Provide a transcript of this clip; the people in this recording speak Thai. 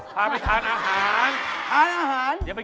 พาไปทานอาหารทานอาหาร